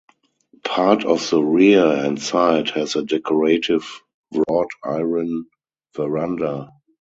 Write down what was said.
Part of the rear and side has a decorative wrought iron verandah.